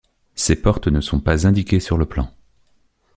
Ces portes ne sont pas indiquées sur le plan.